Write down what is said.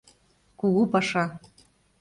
КУГУ ПАША